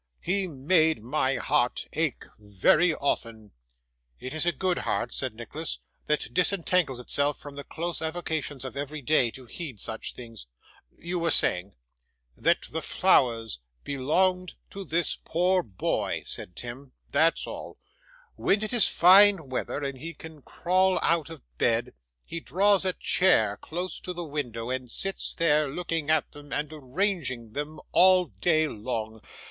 He made my heart ache very often.' 'It is a good heart,' said Nicholas, 'that disentangles itself from the close avocations of every day, to heed such things. You were saying ' 'That the flowers belonged to this poor boy,' said Tim; 'that's all. When it is fine weather, and he can crawl out of bed, he draws a chair close to the window, and sits there, looking at them and arranging them, all day long.